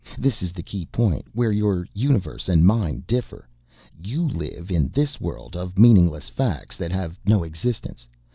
This is the key point, where your universe and mine differ. You live in this world of meaningless facts that have no existence.